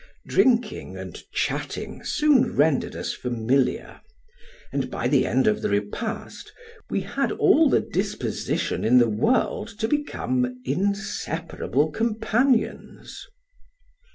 Drinking and chatting soon rendered us familiar, and by the end of the repast we had all the disposition in the world to become inseparable companions.